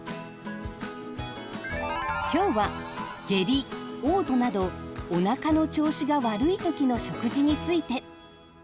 今日は下痢おう吐などおなかの調子が悪いときの食事について。